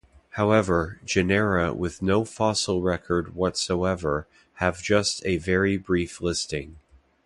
However, genera with no fossil record whatsoever have just a very brief listing.